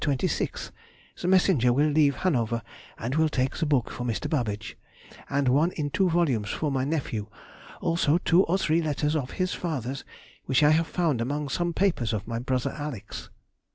26th) the messenger will leave Hanover, and will take the book for Mr. Babbage, and one in two volumes for my nephew; also two or three letters of his father's which I have found among some papers of my brother Alex.